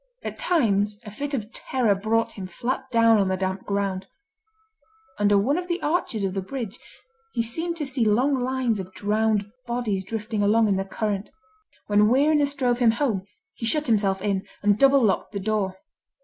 At times a fit of terror brought him flat down on the damp ground: under one of the arches of the bridge he seemed to see long lines of drowned bodies drifting along in the current. When weariness drove him home, he shut himself in, and double locked the door.